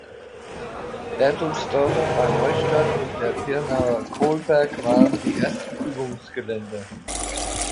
Berthelsdorf bei Neustadt und der Pirnaer Kohlberg waren die ersten Übungsgelände.